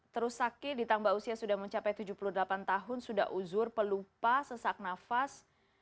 terus sakit ditambah usia sudah mencapai tujuh puluh delapan tahun sudah uzur pelupa sesak nafas